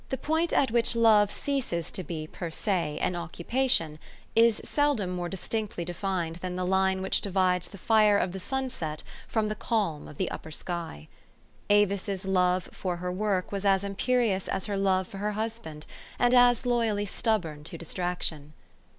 point at which love ceases to be per se an _L occupation, is seldom more distinctly defined than the line which divides the fire of the sunset from the calm of the upper sky. Avis' s love for her work was as imperious as her love for her hus band, and as loyally stubborn to distraction.